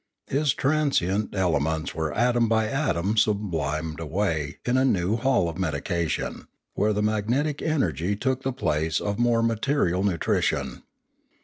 His transient elements were atom by atom sublimed away in a new hall of medication, where magnetic energy took the place of more material nutri tion.